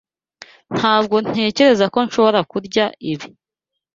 Ntabwo ntekereza ko nshobora kurya ibi.